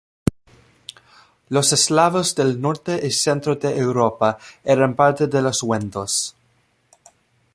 Los eslavos del Norte y Centro de Europa eran parte de los wendos.